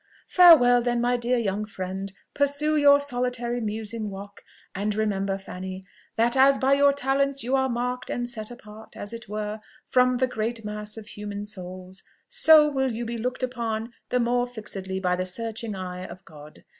"Farewell, then, my dear young friend! Pursue your solitary musing walk; and remember, Fanny, that as by your talents you are marked and set apart, as it were, from the great mass of human souls, so will you be looked upon the more fixedly by the searching eye of God.